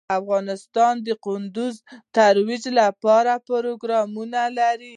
افغانستان د کندز سیند د ترویج لپاره پروګرامونه لري.